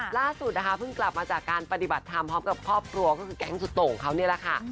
ล่าสุดนะคะเพิ่งกลับมาจากการปฏิบัติธรรมพร้อมกับครอบครัวก็คือแก๊งสุดโต่งเขานี่แหละค่ะ